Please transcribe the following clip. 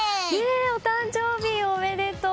お誕生日おめでとう！